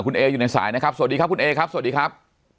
คุณเออยู่ในสายนะครับสวัสดีครับคุณเอครับสวัสดีครับ